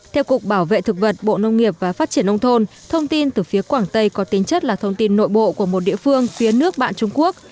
theo cục bảo vệ thực vật bộ nông nghiệp và phát triển nông thôn thông tin từ phía quảng tây có tính chất là thông tin nội bộ của một địa phương phía nước bạn trung quốc